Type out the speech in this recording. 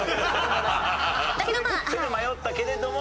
迷ったけれども。